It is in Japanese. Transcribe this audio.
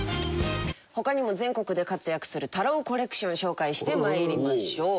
他にも全国で活躍する太郎コレクション紹介してまいりましょう。